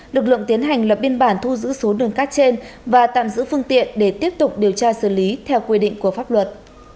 lực lượng tiến hành lập biên bản thu giữ số đường cát trên và tạm giữ phương tiện để tiếp tục điều tra xử lý theo quy định của pháp luật